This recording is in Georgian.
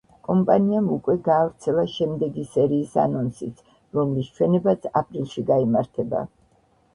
კომპანიამ უკვე გაავრცელა შემდეგი სერიის ანონსიც, რომლის ჩვენებაც აპრილში გაიმართება.